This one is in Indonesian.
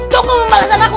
toko membalasan aku